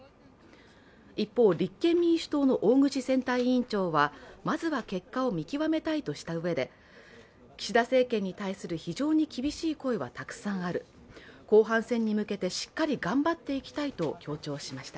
一方、立憲民主党の大串選対委員長はまずは結果を見極めたいとしたうえで岸田政権に対する非常に厳しい声はたくさんある、後半戦に向けてしっかり頑張っていきたいと強調しました。